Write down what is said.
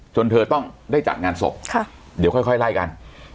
เธอต้องได้จัดงานศพเดี๋ยวค่อยไล่กัน